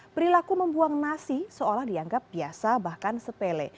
perilaku membuang nasi seolah dianggap biasa bahkan sepele